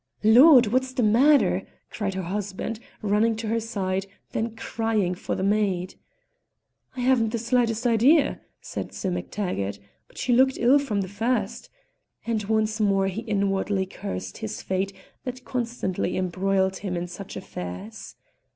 "Lord, what's the matter?" cried her husband, running to her side, then crying for the maid. "I haven't the slightest idea," said Sim MacTag gart. "But she looked ill from the first," and once more he inwardly cursed his fate that constantly embroiled him in such affairs.